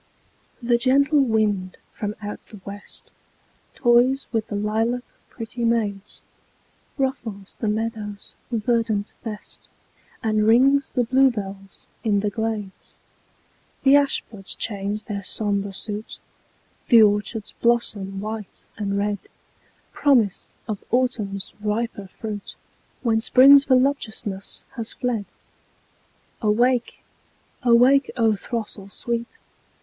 The gentle wind from out the west Toys with the lilac pretty maids; Ruffles the meadow's verdant vest, And rings the bluebells in the glades; The ash buds change their sombre suit, The orchards blossom white and red— Promise of Autumn's riper fruit, When Spring's voluptuousness has fled. Awake! awake, O throstle sweet!